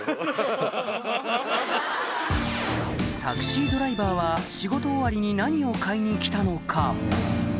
タクシードライバーは仕事終わりに何を買いに来たのか？